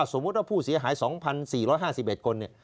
สมมุติว่าผู้เสียหาย๒๔๕๑คน